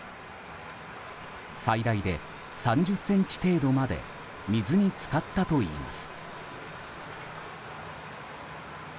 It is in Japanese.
最大で３０ｃｍ程度まで水に浸かったといいます。